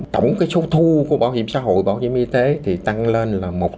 tổng số thu của bảo hiểm xã hội bảo hiểm y tế tăng lên một trăm linh năm một mươi bảy